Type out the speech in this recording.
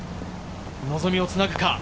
望みをつなぐか？